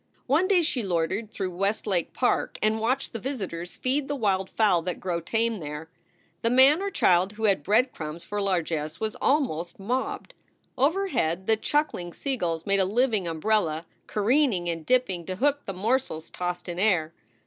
One day she loitered through Westlake Park and watched the visitors feed the wild fowl that grow tame there. The man or child who had bread crumbs for largess was almost mobbed. Overhead the chuckling seagulls made a living umbrella, careening and dipping to hook the morsels tossed in air.